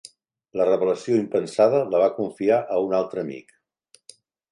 La revelació impensada, la va confiar a un altre amic.